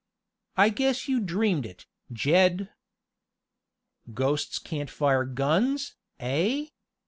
"I guess you dreamed it, Jed." "Ghosts can't fire guns, eh?